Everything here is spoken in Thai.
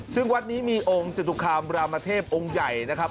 ซึ่งวัดนี้มีองค์จตุคามรามเทพองค์ใหญ่นะครับ